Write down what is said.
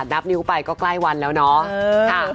นับนิ้วไปก็ใกล้วันแล้วเนาะ